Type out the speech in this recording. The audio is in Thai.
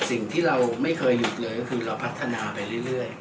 สิ่งที่เราไม่เคยหยุดเลยก็คือเราพัฒนาไปเรื่อย